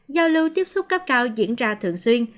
giao lưu tiếp xúc cấp cao diễn ra thường xuyên